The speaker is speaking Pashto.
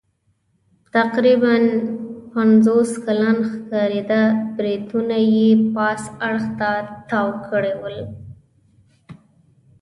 تقریباً پنځوس کلن ښکارېده، برېتونه یې پاس اړخ ته تاو کړي ول.